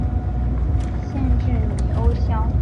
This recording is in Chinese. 县治尼欧肖。